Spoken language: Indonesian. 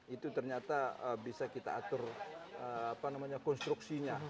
itu ternyata bisa kita atur konstruksinya